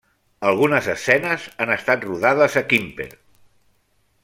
Algunes escenes han estat rodades a Quimper.